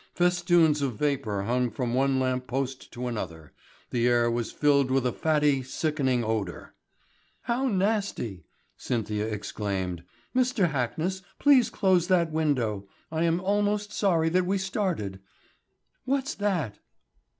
Festoons of vapour hung from one lamp post to another, the air was filled with a fatty sickening odour. "How nasty," Cynthia exclaimed. "Mr. Hackness, please close that window. I am almost sorry that we started. What's that?"